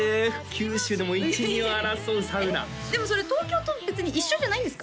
九州でも一二を争うサウナでもそれ東京と別に一緒じゃないんですか？